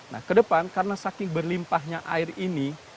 nah kedepan karena saking berlimpahnya air ini